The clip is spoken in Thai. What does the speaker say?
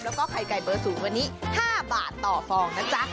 แล้วก็ไข่ไก่เบอร์สูงวันนี้๕บาทต่อฟองนะจ๊ะ